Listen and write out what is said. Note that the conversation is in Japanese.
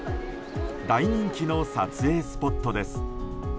大人気の撮影スポットです。